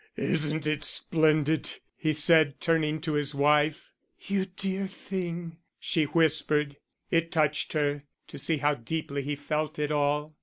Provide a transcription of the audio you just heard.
"Isn't it splendid?" he said, turning to his wife. "You dear thing!" she whispered. It touched her to see how deeply he felt it all.